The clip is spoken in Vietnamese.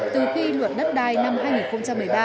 từ khi luật đất đai năm hai nghìn một mươi ba